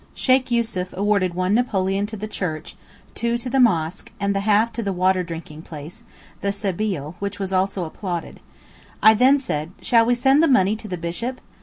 Sheykh Yussuf awarded one napoleon to the church, two to the mosque, and the half to the water drinking place—the Sebeel—which was also applauded. I then said, 'Shall we send the money to the bishop?